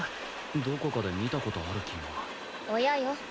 どこかで見た事ある気が親よ。